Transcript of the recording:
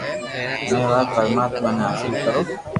مين وات پرماتما ني حاصل ڪرو